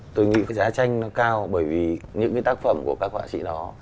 tôi nghĩ cái giá tranh nó cao bởi vì những cái tác phẩm của các họa sĩ đó